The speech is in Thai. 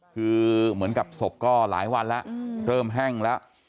คือเหมือนกับศพก็หลายวันแล้วเริ่มแห้งแล้ว